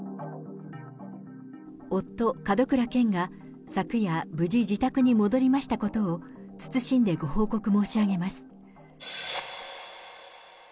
夫、門倉健が昨夜、無事自宅に戻りましたことを、謹んでご報告申し上げます。